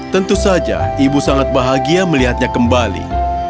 tentu saja ibu sangat bahagia melihatnya kembali